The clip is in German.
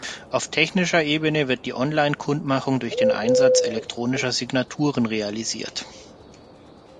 Auf technischer Ebene wird die Online-Kundmachung durch den Einsatz elektronischer Signaturen realisiert.